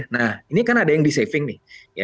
nah ini kan ada yang disaving nih